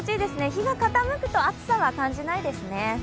日が傾くと暑さは感じないですね。